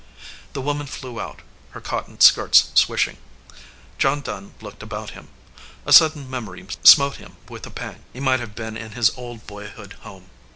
The woman flew out, her cotton skirts swishing. John Dunn looked about him. A sudden memory smote him with a pang. He might have been in his old boyhood home.